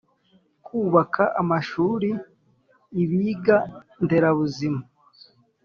Kubaka amashuri ibiga nderabuzima